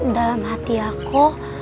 dalam hati aku